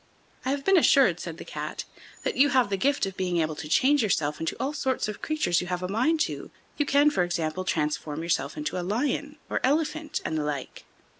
"I have been assured," said the Cat, "that you have the gift of being able to change yourself into all sorts of creatures you have a mind to; you can, for example, transform yourself into a lion, or elephant, and the like."